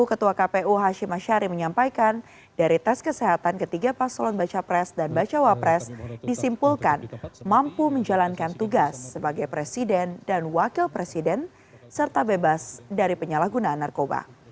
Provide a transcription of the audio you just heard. ketua kpu hashim ashari menyampaikan dari tes kesehatan ketiga paslon baca pres dan bacawa pres disimpulkan mampu menjalankan tugas sebagai presiden dan wakil presiden serta bebas dari penyalahgunaan narkoba